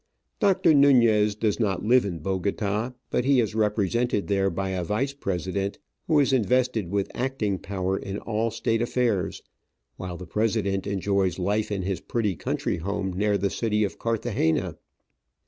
Doctor Nunez does not live in Bogota, but he is represented there by a Vice President, who is invested with acting power in Digitized by VjOOQIC 136 Tkavels and Adventures all State affairs, while the President enjoys life in his pretty country home near the city of Carthagena.